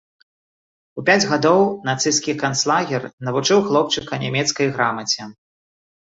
У пяць гадоў нацысцкі канцлагер навучыў хлопчыка нямецкай грамаце.